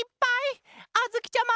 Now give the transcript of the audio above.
あづきちゃま！